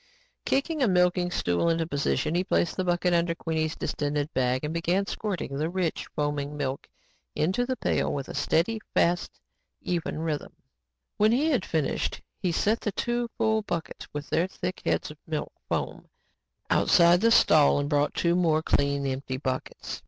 Kicking a milking stool into position, he placed a bucket under Queenie's distended bag and began squirting the rich, foaming milk into the pail with a steady, fast and even rhythm. When he had finished, he set the two full buckets with their thick heads of milk foam, outside the stall and brought two more clean, empty buckets.